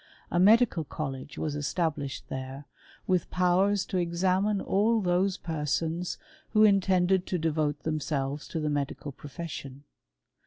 A medical college was established there with powers to examine all those persons who intended to devote themselves to the medical profession.